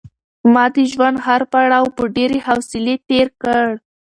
ما د ژوند هر پړاو په ډېرې حوصلې تېر کړ.